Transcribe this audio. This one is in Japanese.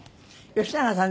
吉永さん